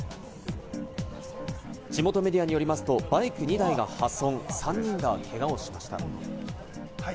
地元メディアによりますと、バイク２台が破損、３人がけがをしました。